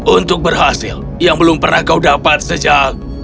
untuk berhasil yang belum pernah kau dapat sejak